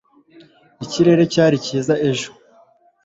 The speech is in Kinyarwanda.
ikirere cyari cyiza ejo